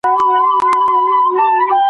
ملا بانګ په خپل کټ کې ارام کوي.